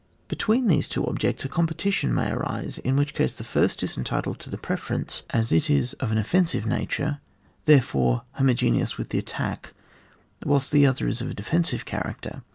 Between these two objects a com CHAP. IZ.] ATTACK OF DEFENMVE POSITIONS. 11 petition may arise, in whicli case the first is entitled to the preference, as it is of an offensive nature ; therefore homo geneous with the attack, whilst the other is of a defensive character.